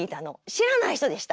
知らない人でした。